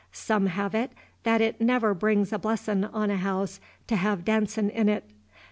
Some have it that it never brings a blessin' on a house to have dancin' in it.